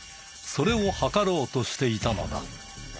それを測ろうとしていたのだ。